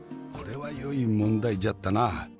これはよい問題じゃったな。